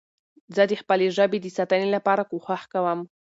زه د خپلي ژبې د ساتنې لپاره کوښښ کوم.